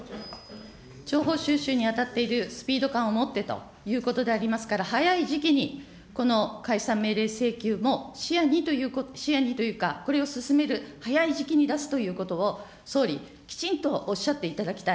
情報収集に当たっているスピード感を持ってということでありますから、早い時期にこの解散命令請求も視野にというか、これを進める、早い時期に出すということを、総理、きちんとおっしゃっていただきたい。